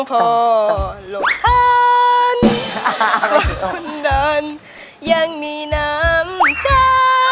เพราะคุณนั้นยังมีน้ำใจ